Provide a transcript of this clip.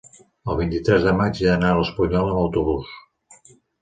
el vint-i-tres de maig he d'anar a l'Espunyola amb autobús.